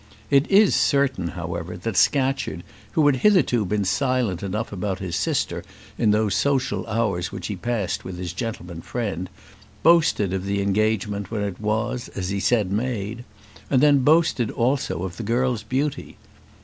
It is certain, however, that Scatcherd, who had hitherto been silent enough about his sister in those social hours which he passed with his gentleman friend, boasted of the engagement when it was, as he said, made; and then boasted also of the girl's beauty.